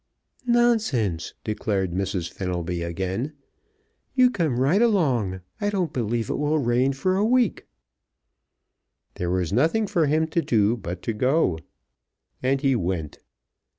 "Nonsense!" declared Mrs. Fenelby again. "You come right along. I don't believe it will rain for a week." There was nothing for him to do but to go, and he went.